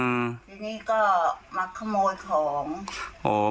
ทีนี้ก็มาขโมยของ